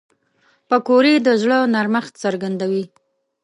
پکورې د زړه نرمښت څرګندوي